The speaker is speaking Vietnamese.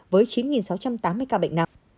với chín sáu trăm tám mươi ca bệnh nặng